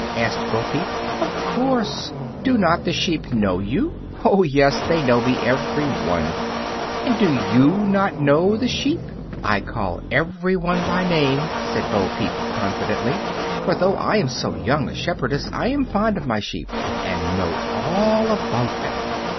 asked Bo Peep. "Of course; do not the sheep know you?" "Oh, yes; they know me every one." "And do not you know the sheep?" "I can call every one by name," said Bo Peep, confidently; "for though I am so young a shepherdess I am fond of my sheep and know all about them."